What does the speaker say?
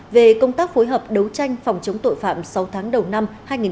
về công tác phối hợp đấu tranh phòng chống tội phạm sáu tháng đầu năm hai nghìn hai mươi